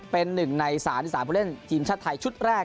เป็นหนึ่งในศาลที่สามารถเล่นทีมชาติไทยชุดแรก